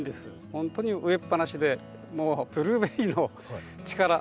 本当に植えっぱなしでもうブルーベリーの力。